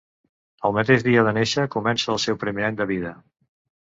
El mateix dia de néixer comença el seu primer any de vida.